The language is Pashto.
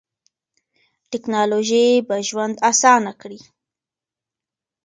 ټیکنالوژي به ژوند اسانه کړي.